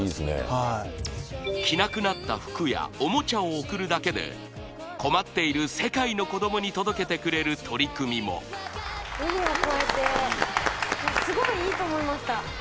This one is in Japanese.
はい着なくなった服やおもちゃを送るだけで困っている世界の子どもに届けてくれる取り組みも海を越えてすごいいいと思いました